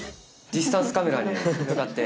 ディスタンスカメラ使って。